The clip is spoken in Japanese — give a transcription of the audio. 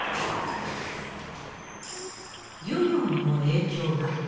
漁業にも影響が。